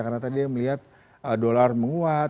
karena tadi melihat dolar menguat